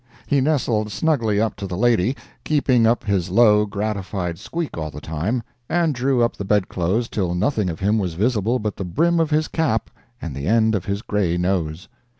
He nestled snugly up to the lady, keeping up his low, gratified squeak all the time, and drew up the bedclothes till nothing of him was visible but the brim of his cap and the end of his gray nose.